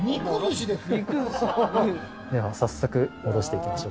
早速戻して行きましょう。